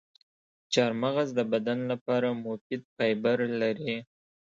چارمغز د بدن لپاره مفید فایبر لري.